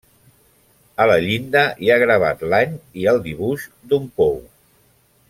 A la llinda hi ha gravat l'any i el dibuix d'un pou.